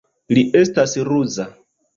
Li estas ruza.